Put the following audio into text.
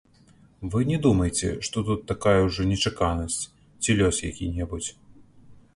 Вы не думайце, што тут такая ўжо нечаканасць ці лёс які-небудзь.